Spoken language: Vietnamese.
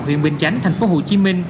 huyện bình chánh tp hcm